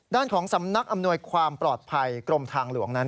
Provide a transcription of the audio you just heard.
ด้านของสำนักอำนวยความปลอดภัยกรมทางหลวงนั้น